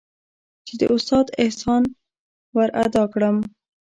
چې د استاد احسان ورادا كړم.